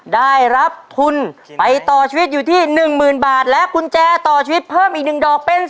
ได้รับทุนไปต่อชีวิตอยู่ที่๑๐๐๐บาทและกุญแจต่อชีวิตเพิ่มอีก๑ดอกเป็น